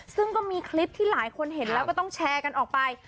ซึ่งก็มีคลิปที่หลายคนเห็นแล้วก็ต้องแชร์กันออกไป